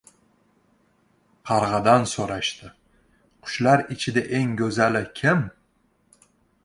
• Qarg‘adan so‘rashdi: “Qushlar ichida eng go‘zali kim?”.